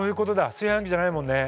炊飯器じゃないもんね。